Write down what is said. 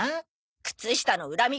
靴下の恨み